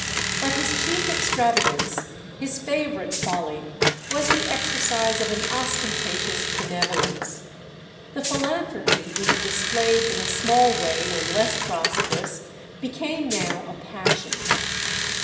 But his chief extravagance, his favourite folly, was the exercise of an ostentatious benevolence. The philanthropy he had displayed in a small way when less prosperous became now a passion.